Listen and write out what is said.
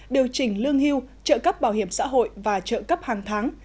điều chỉnh lương hưu trợ cấp bảo hiểm xã hội và trợ cấp hàng tháng